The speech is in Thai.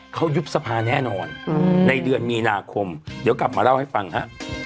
เขายุบสภาแน่นอนในเดือนมีนาคมเดี๋ยวกลับมาเล่าให้ฟังฮะ